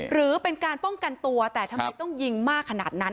หรือเป็นการป้องกันตัวแต่ทำไมต้องยิงมากขนาดนั้น